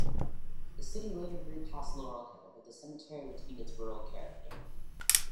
The city later grew past Laurel Hill, but the cemetery retained its rural character.